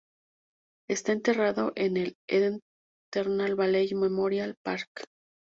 Está enterrado en el Eternal Valley Memorial Park.